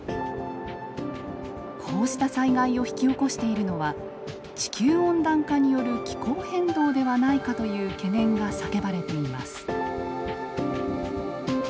こうした災害を引き起こしているのは地球温暖化による気候変動ではないかという懸念が叫ばれています。